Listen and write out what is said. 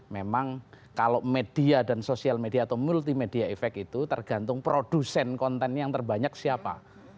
memang kalau media dan sosial media atau multimedia efek itu tergantung produsen konten yang terbanyak siapa